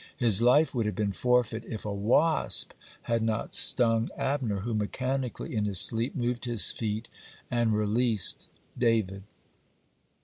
His life would have been forfeit, if a wasp had not stung Abner, who mechanically, in his sleep, moved his feet, and released David.